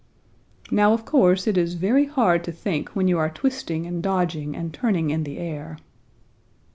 "Now of course it is very hard to think when you are twisting and dodging and turning in the air."